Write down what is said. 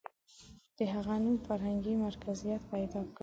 • د هغه نوم فرهنګي مرکزیت پیدا کړ.